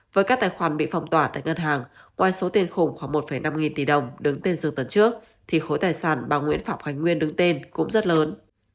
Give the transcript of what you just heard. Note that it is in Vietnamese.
với các tài khoản bị phong tỏa tại ngân hàng ngoài số tiền khủng khoảng một năm nghìn tỷ đồng đứng tên dự tuần trước thì khối tài sản bà nguyễn phạm khánh nguyên đứng tên cũng rất lớn